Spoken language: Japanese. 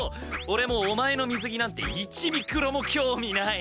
俺もお前の水着なんて１ミクロも興味ない。